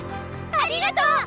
ありがとう！